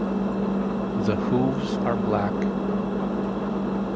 The hooves are black.